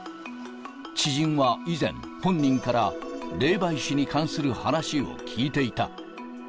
知人は以前、本人から霊媒師に関する話を聞いていた。